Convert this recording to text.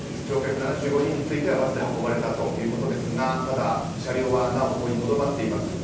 乗客７５人についてはバスで運ばれたということですがただ、車両はなおここにとどまっています。